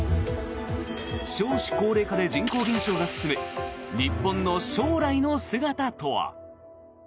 少子高齢化で人口減少が進む日本の将来の姿とは。